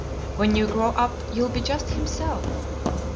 When you grow up you'll be just himself."